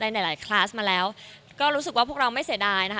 หลายหลายคลาสมาแล้วก็รู้สึกว่าพวกเราไม่เสียดายนะคะ